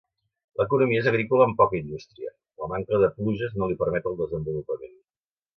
L'economia és agrícola amb poca indústria; la manca de puges no li permet el desenvolupament.